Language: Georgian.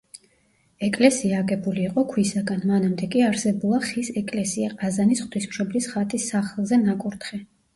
ეკლესია აგებული იყო ქვისაგან, მანამდე კი არსებულა ხის ეკლესია ყაზანის ღვთისმშობლის ხატის სახელზე ნაკურთხი.